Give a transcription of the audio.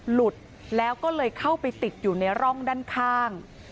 หลุดแล้วก็เลยเข้าไปติดอยู่ในร่องด้านข้าง